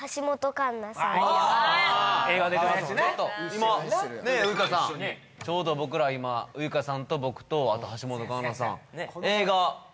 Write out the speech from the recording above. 今ねえウイカさんちょうど僕ら今ウイカさんと僕とあと橋本環奈さん